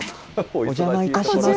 お邪魔いたします。